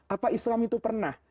apa islam itu pernah